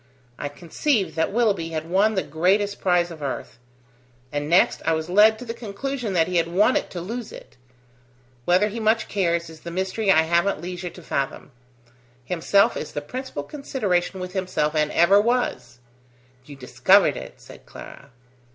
I conceived that Willoughby had won the greatest prize of earth. And next I was led to the conclusion that he had won it to lose it. Whether he much cares, is the mystery I haven't leisure to fathom. Himself is the principal consideration with himself, and ever was." "You discovered it!" said Clara.